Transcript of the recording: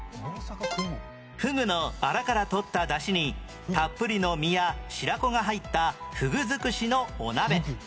フグのアラから取った出汁にたっぷりの身や白子が入ったフグ尽くしのお鍋